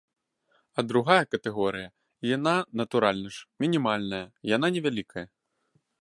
А другая катэгорыя, яна, натуральна ж, мінімальная, яна невялікая.